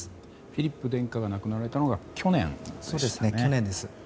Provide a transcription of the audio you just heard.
フィリップ殿下が亡くなられたのが去年でしたね。